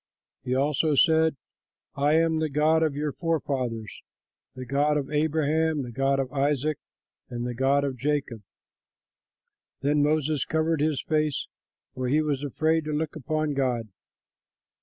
He also said, "I am the God of your forefathers, the God of Abraham, the God of Isaac, and the God of Jacob." Then Moses covered his face; for he was afraid to look upon God.